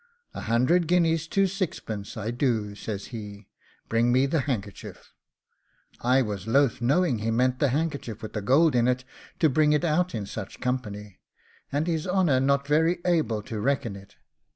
'A hundred guineas to sixpence I do,' says he; 'bring me the handkerchief.' I was loth, knowing he meant the handkerchief with the gold in it, to bring it out in such company, and his honour not very able to reckon it.